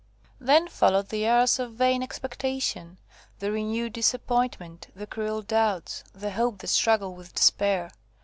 Then followed the hours of vain expectation, the renewed disappointment, the cruel doubts, the hope that struggled with despair.